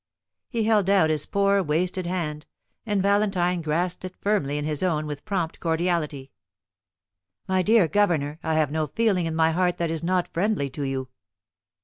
He held out his poor wasted hand, and Valentine grasped it firmly in his own with prompt cordiality. "My dear governor, I have no feeling in my heart that is not friendly to you."